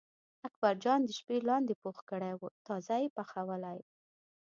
اکبرجان د شپې لاندی پوخ کړی و تازه یې پخولی.